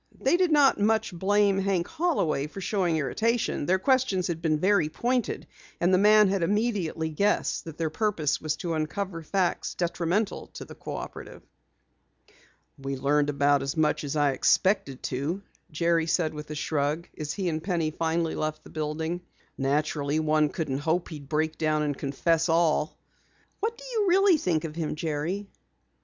They did not much blame Hank Holloway for showing irritation. Their questions had been very pointed and the man had immediately guessed that their purpose was to uncover facts detrimental to the Cooperative. "We learned about as much as I expected to," Jerry said with a shrug, as he and Penny finally left the building. "Naturally one couldn't hope he'd break down and confess all." "What did you really think of him, Jerry?"